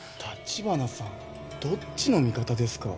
橘さんどっちの味方ですか。